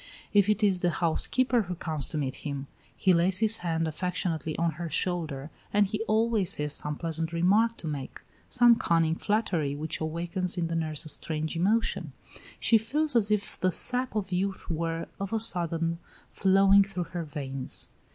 If it is the housekeeper who comes to meet him, he lays his hand affectionately on her shoulder, and he always has some pleasant remark to make, some cunning flattery which awakens in the nurse a strange emotion. She feels as if the sap of youth were, of a sudden, flowing through her veins.